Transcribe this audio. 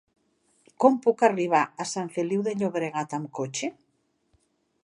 Com puc arribar a Sant Feliu de Llobregat amb cotxe?